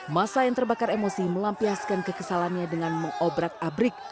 masa yang terbakar emosi melampiaskan kekesalannya dengan mengobrak abrik